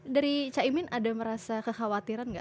dari cak imin ada merasa kekhawatiran gak